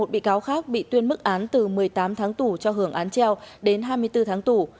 một mươi bị cáo khác bị tuyên mức án từ một mươi tám tháng tù cho hưởng án treo đến hai mươi bốn tháng tù